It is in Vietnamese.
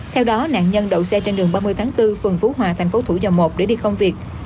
theo đó nạn nhân đậu xe trên đường ba mươi tháng bốn phường phú hòa thành phố thủ dầu một để đi công việc